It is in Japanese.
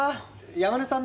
山根さん！